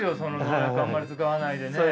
農薬あんまり使わないでね。